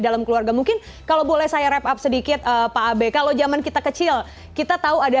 dalam keluarga mungkin kalau boleh saya rap up sedikit pak abe kalau zaman kita kecil kita tahu ada